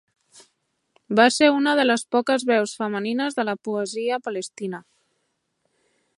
Va ser una de les poques veus femenines en la poesia palestina.